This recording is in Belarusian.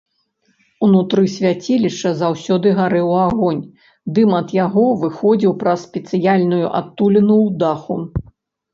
Унутры свяцілішча заўсёды гарэў агонь, дым ад якога выходзіў праз спецыяльную адтуліну ў даху.